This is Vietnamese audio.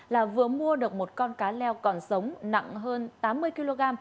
là vừa mua được một con cá leo còn sống nặng hơn tám mươi kg